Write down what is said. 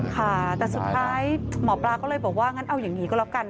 ค่ะแต่สุดท้ายหมอปลาก็เลยบอกว่างั้นเอาอย่างนี้ก็แล้วกัน